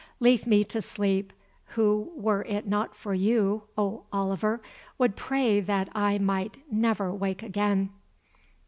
Leave me to sleep, who, were it not for you, O Oliver, would pray that I might never wake again.